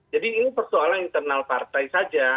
jadi ini persoalan internal partai saja